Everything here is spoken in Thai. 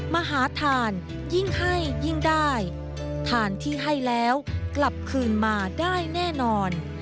มหาทานยิ่งให้ยิ่งได้ทานที่ให้แล้วกลับคืนมาได้แน่นอน